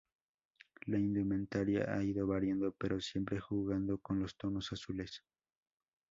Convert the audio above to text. La indumentaria ha ido variando, pero siempre jugando con los tonos azules.